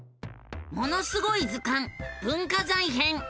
「ものすごい図鑑文化財編」！